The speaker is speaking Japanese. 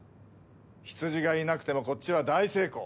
ヒツジがいなくてもこっちは大成功。